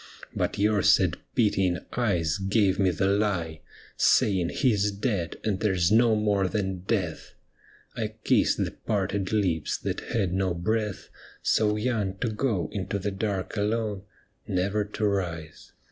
But your sad pitying eyes gave me the lie. Saying he 's dead, and there 's no more than death. I kissed the parted lips that had no breath, So young to go into the dark alone. Never to rise.